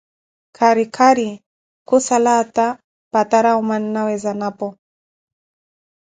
Khari khari khusala áta patarawu, mannawe Zanapo.